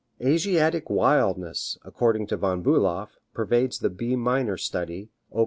Asiatic wildness, according to Von Bulow, pervades the B minor study, op.